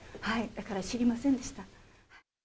だから知りませんでした。